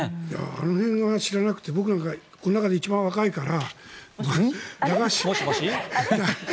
あの辺は知らなくて僕はこの中で一番若いから。